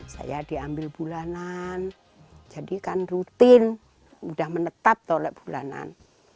saya diambil bulanan jadikan rutin sudah menetap tolak bulanan